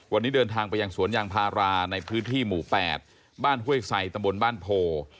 วันนี้เดินทางไปยังสวนยางพาราในพื้นที่หมู่๘บ้านห้วยไซตำบลบ้านโพ